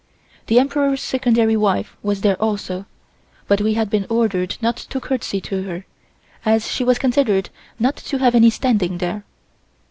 The Emperor's Secondary wife was there also, but we had been ordered not to courtesy to her, as she was considered not to have any standing there.